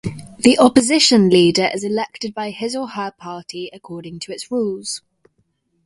The Opposition Leader is elected by his or her party according to its rules.